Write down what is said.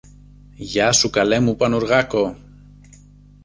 Γεια σου, καλέ μου Πανουργάκο!